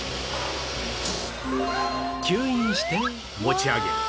吸引して持ち上げる